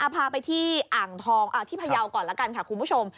พาไปที่อ่างทองที่พยาวก่อนละกันค่ะคุณผู้ชม